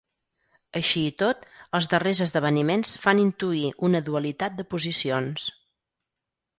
Així i tot, els darrers esdeveniments fan intuir una dualitat de posicions.